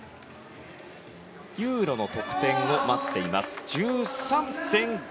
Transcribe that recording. ユーロの得点を待っています。